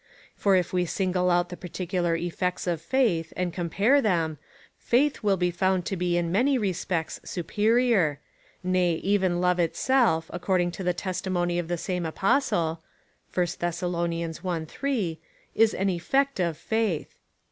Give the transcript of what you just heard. For if we single out the particular effects 0^ faith, and compare them, faith will be found to be in many respects superior. Nay, even love itself, according to the testimony of the same Apostle, (1 Thes. i. 3,) is an effect of faith.